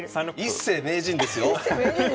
一世名人ですよ！